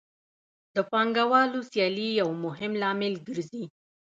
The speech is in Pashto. د پانګوالو سیالي یو مهم لامل ګرځي